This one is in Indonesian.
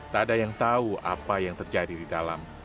tak ada yang tahu apa yang terjadi di dalam